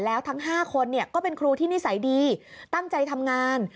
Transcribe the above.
แล้วทั้ง๕คนก็เป็นครูที่นิสัยดีตั้งใจทำงาน